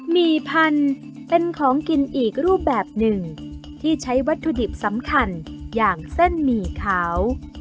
หี่พันธุ์เป็นของกินอีกรูปแบบหนึ่งที่ใช้วัตถุดิบสำคัญอย่างเส้นหมี่ขาว